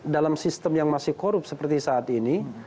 dalam sistem yang masih korup seperti saat ini